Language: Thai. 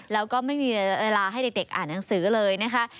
แล้วก็ไม่มีเวลาให้เด็กอ่านหนังสือเลยนะคะ